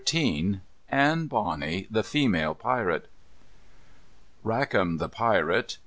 Anne Bonny, the Female Pirate. Rackam the Pirate.